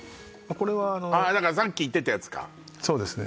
これはあのあっだからさっき言ってたやつかそうですね